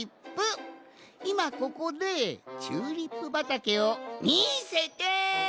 いまここでチューリップばたけをみせて！